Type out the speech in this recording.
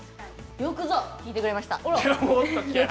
よくぞ聞いてくれました。